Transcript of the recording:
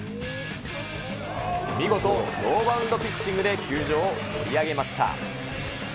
見事、ノーバウンドピッチングで、球場を盛り上げました。